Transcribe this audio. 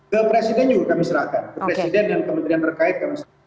ke presiden juga kami serahkan ke presiden dan kementerian terkait